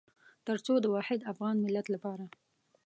تر څو د واحد افغان ملت لپاره.